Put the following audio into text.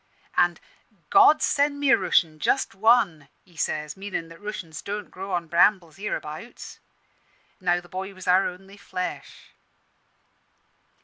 An' 'God send me a Rooshian just one!' he says, meanin' that Rooshians don't grow on brambles hereabouts. Now the boy was our only flesh.